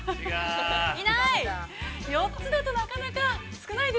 ◆いない！